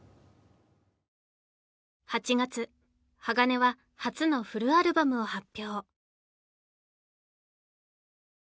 ８月ＨＡＧＡＮＥは初のフルアルバムを発表